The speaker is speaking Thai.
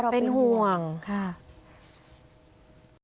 เราเป็นห่วงค่ะเป็นห่วง